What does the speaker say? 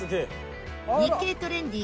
日経トレンディ